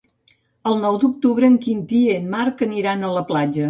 El nou d'octubre en Quintí i en Marc aniran a la platja.